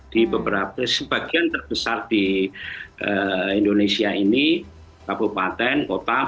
di beberapa sebagian terbesar di indonesia ini kabupaten kota